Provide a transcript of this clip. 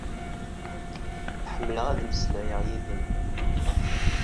Ḥemmleɣ ad mmeslayeɣ yid-m.